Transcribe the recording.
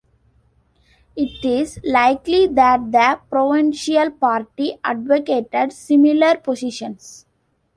It is likely that the provincial party advocated similar positions.